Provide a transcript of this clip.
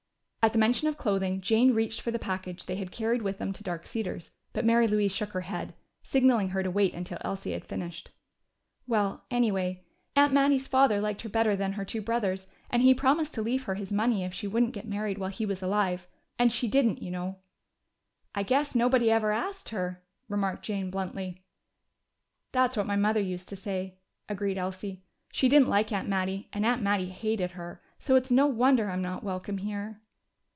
At the mention of clothing, Jane reached for the package they had carried with them to Dark Cedars, but Mary Louise shook her head, signalling her to wait until Elsie had finished. "Well, anyway, Aunt Mattie's father liked her better than her two brothers, and he promised to leave her his money if she wouldn't get married while he was alive. And she didn't, you know." "I guess nobody ever asked her," remarked Jane bluntly. "That's what my mother used to say," agreed Elsie. "She didn't like Aunt Mattie, and Aunt Mattie hated her. So it's no wonder I'm not welcome here!"